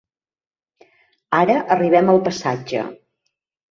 Ara arribem al passatge.